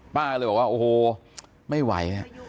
ป้าก็เลยบอกว่าโอ้โหไม่ไหว